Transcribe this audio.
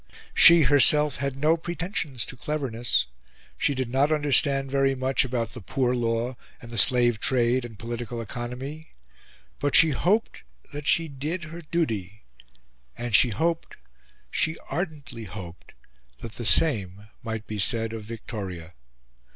She herself had no pretensions to cleverness; she did not understand very much about the Poor Law and the Slave Trade and Political Economy; but she hoped that she did her duty; and she hoped she ardently hoped that the same might be said of Victoria.